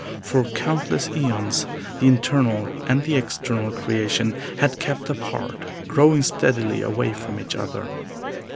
For countless aeons the internal and the external creation had kept apart, growing steadily away from each other.